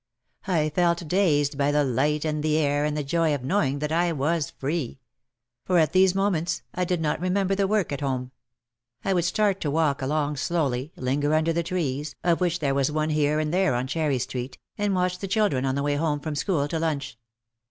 I felt dazed by the light and the air and the joy of knowing that I was free. For at these mo ments I did not remember the work at home. I would start to walk along slowly, linger under the trees, of which there was one here and there on Cherry Street, and watch the children on the way home from school to lunch.